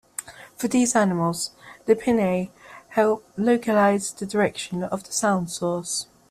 For these animals, the pinnae help localise the direction of the sound source.